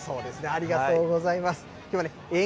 ありがとうございます。